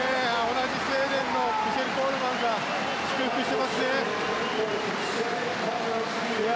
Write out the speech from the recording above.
同じスウェーデンのミシェール・コールマンが祝福していますね。